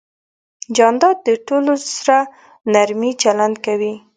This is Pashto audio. جانداد د ټولو سره نرمي چلند کوي.